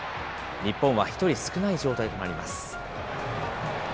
日本は１人少ない状態となります。